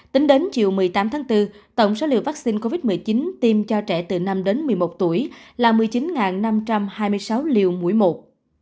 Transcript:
tính đến chiều một mươi tám tháng bốn tổng số liều vaccine covid một mươi chín tiêm cho trẻ từ năm đến một mươi một tuổi là một mươi chín năm trăm hai mươi sáu liều mũi một